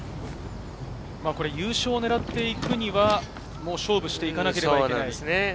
優勝を狙っていくには勝負していかなければいけないですね。